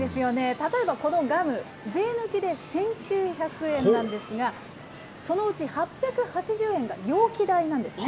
例えばこのガム、税抜きで１９００円なんですが、そのうち８８０円が容器代なんですね。